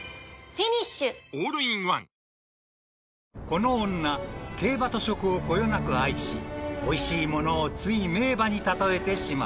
［この女競馬と食をこよなく愛しおいしいものをつい名馬に例えてしまう］